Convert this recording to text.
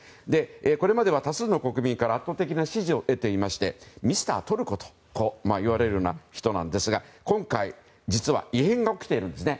これまでは多数の国民から圧倒的な支持を得ていましてミスタートルコといわれるような人なんですが今回、実は異変が起きているんですね。